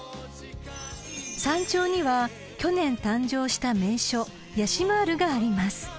［山頂には去年誕生した名所やしまーるがあります］